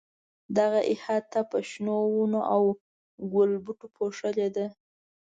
دغه احاطه په شنو ونو او ګلبوټو پوښلې ده.